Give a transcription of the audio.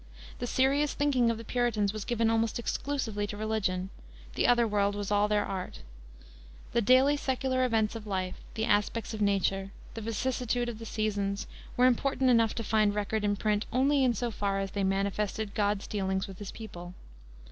The serious thinking of the Puritans was given almost exclusively to religion; the other world was all their art. The daily secular events of life, the aspects of nature, the vicissitude of the seasons, were important enough to find record in print only in so far as they manifested God's dealings with his people.